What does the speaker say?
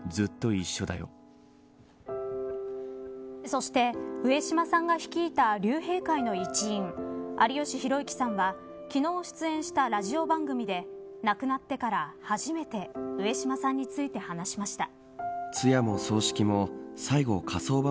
そして、上島さんが率いた竜兵会の一員有吉弘行さんは昨日出演したラジオ番組で亡くなってから初めて上島さんについて話しました。